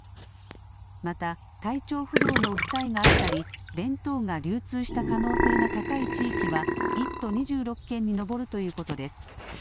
また、体調不良の訴えがあったり、弁当が流通した可能性が高い地域は１都２６県に上るということです。